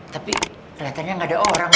tapi keliatannya gak ada orang